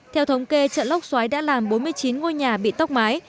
theo thống kê trận lốc xoáy đã làm bốn mươi chín ngôi nhà bị tốc mái